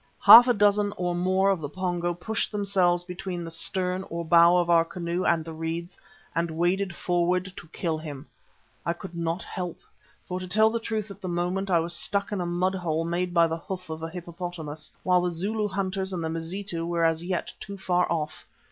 Half a dozen or more of the Pongo pushed themselves between the stern or bow of our canoe and the reeds, and waded forward to kill him. I could not help, for to tell the truth at the moment I was stuck in a mud hole made by the hoof of a hippopotamus, while the Zulu hunters and the Mazitu were as yet too far off.